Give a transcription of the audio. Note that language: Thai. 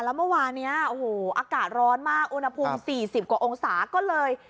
แล้วเมื่อวานนี้โอ้โหอากาศร้อนมากอุณหภูมิ๔๐กว่าองศาก็เลย